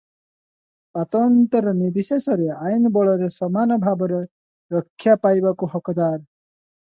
ପାତଅନ୍ତର ନିର୍ବିଶେଷରେ ଆଇନ ବଳରେ ସମାନ ଭାବରେ ରକ୍ଷା ପାଇବାକୁ ହକଦାର ।